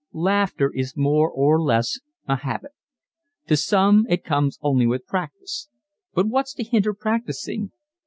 Laughter is more or less a habit. To some it comes only with practice. But what's to hinder practising?